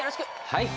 はい。